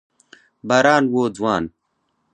باران و ځوان